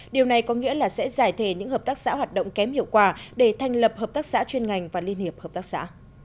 điều này có nghĩa là sẽ giải thể những hợp tác xã hoạt động kém hiệu quả để thành lập hợp tác xã chuyên ngành và liên hiệp hợp tác xã